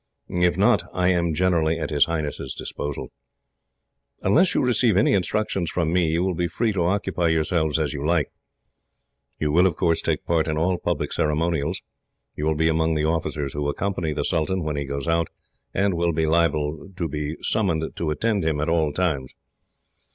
If not, I am generally at his Highness's disposal. "Unless you receive any instructions from me, you will be free to occupy yourselves as you like. You will, of course, take part in all public ceremonials. You will be among the officers who accompany the sultan, when he goes out, and will be liable to be summoned to attend him at all times.